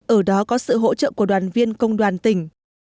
ở đó có sự hỗ trợ của đoàn viên công đoàn tỉnh